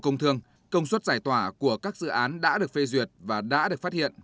nhiều tòa của các dự án đã được phê duyệt và đã được phát hiện